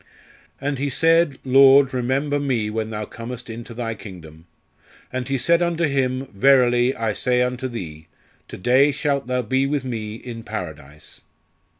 "_And he said, Lord, remember me when Thou comest into Thy Kingdom. And He said unto him, Verily, I say unto thee, To day shalt thou be with Me in Paradise."